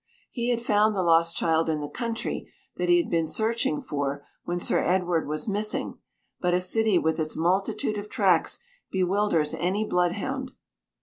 He had found the lost child in the country that he had been searching for when Sir Edward was missing, but a city with its multitude of tracks bewilders any bloodhound.